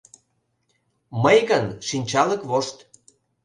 Мый гын — шинчалык вошт.